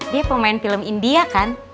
dia pemain film india kan